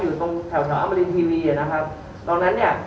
อยู่ตรงแถวแถวอมรินทีวีอ่ะนะครับตรงนั้นเนี่ย